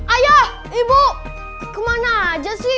ayah ibu ke mana aja sih